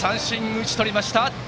打ち取りました。